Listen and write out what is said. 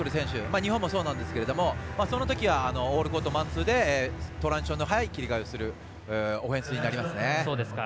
日本もそうなんですけどそのときはオールコートマンツーでトランジションの早い切り替えをするオフェンスになりますね。